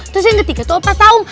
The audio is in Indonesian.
terus yang ketiga tuh opa saum